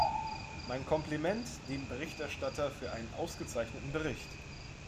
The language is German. Mein Kompliment dem Berichterstatter für einen ausgezeichneten Bericht.